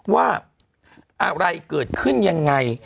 ว่าอะไรเกิดขึ้นยังไง